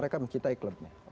kita mencintai klubnya